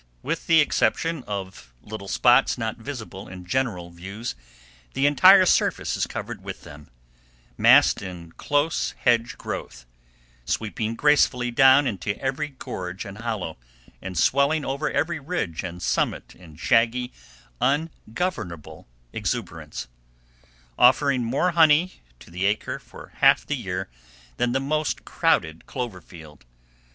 With the exception of little spots not visible in general views, the entire surface is covered with them, massed in close hedge growth, sweeping gracefully down into every gorge and hollow, and swelling over every ridge and summit in shaggy, ungovernable exuberance, offering more honey to the acre for half the year than the most crowded clover field.